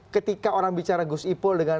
ketika orang bicara gus ipul dengan